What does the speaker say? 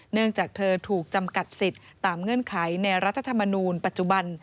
เนื่องจากเธอถูกจำกัดสิทธิ์ตามเงื่อนไขในรัฐธรรมนูลปัจจุบัน